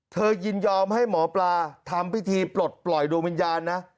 ยินยอมให้หมอปลาทำพิธีปลดปล่อยดวงวิญญาณนะ